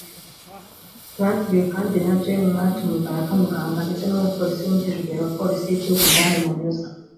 Bakiriwe kandi na Gen Maj Mubaraka Muganga ndetse n’ Umuyobozi wungirije wa Polisi y’Igihugu Dan Munyuza